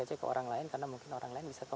saja ke orang lain karena mungkin orang lain bisa